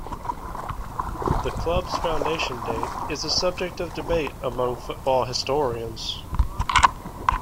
The club's foundation date is a subject of debate among football historians.